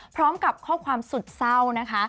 พร้อมกับข้อความสุดเศร้านะคะ